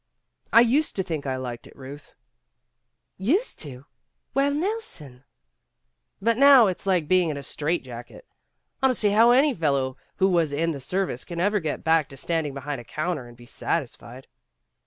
' 'I used to think I liked it, Euth." *' Used to ! Why, Nelson '' "But now it's like being in a strait jacket. I don't ,see how any fellow who was in the service can ever get back to standing behind a counter and be satisfied."